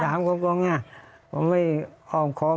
ผมถามเขาก็ว่าไงผมไม่อ้อมคอม